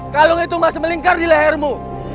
kalung itu masih melingkar di lehermu